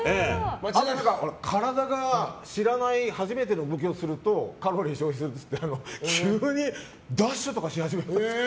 体が知らない初めての動きをするとカロリー消費するっていって急にダッシュとかし始めて。